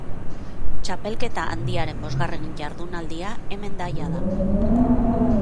Txapelketa handiaren bosgarren jardunaldia hemen da jada.